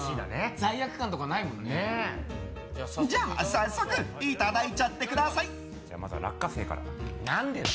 早速いただいちゃってください！